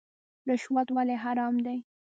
رشوت ولې حرام دی؟